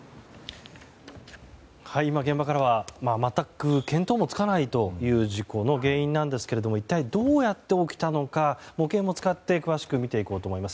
今、現場からは、全く見当もつかないという、事故の原因なんですけれども一体どうやって起きたのか模型も使って詳しく見ていこうと思います。